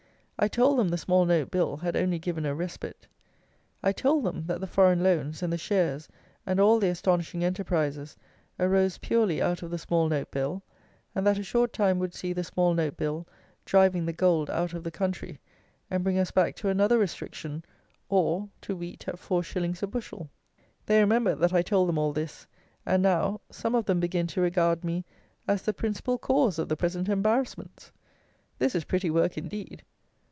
I told them the Small note Bill had only given a respite. I told them that the foreign loans, and the shares, and all the astonishing enterprises, arose purely out of the Small note Bill; and that a short time would see the Small note Bill driving the gold out of the country, and bring us back to another restriction, OR, to wheat at four shillings a bushel. They remember that I told them all this; and now, some of them begin to regard me as the principal cause of the present embarrassments! This is pretty work indeed!